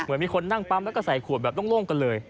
เหมือนมีคนนั่งปั๊มแล้วก็ใส่ขวดแบบโล่งกันเลย